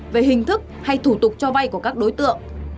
về hình thức hay thủ tục cho vay của các đối tượng